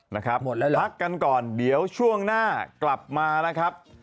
นะครับพักกันก่อนเดี๋ยวช่วงหน้ากลับมานะครับ